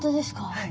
はい。